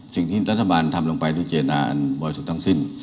สิ่งที่รัฐบาลทำลงไปด้วยเจนอ่านบ่อยสุดทั้งสิ้น